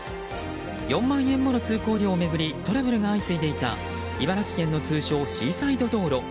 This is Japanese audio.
４万円もの通行料を巡りトラブルが相次いでいた茨城県の通称シーサイド道路。